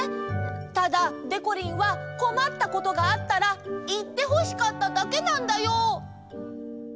ただでこりんはこまったことがあったらいってほしかっただけなんだよ。